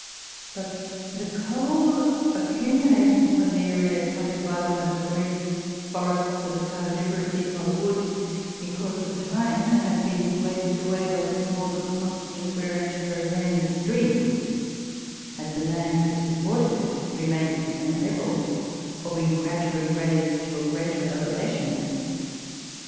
But the coal accumulated upon the area covered by one of the great forests of the carboniferous epoch would in course of time, have been wasted away by the small, but constant, wear and tear of rain and streams had the land which supported it remained at the same level, or been gradually raised to a greater elevation.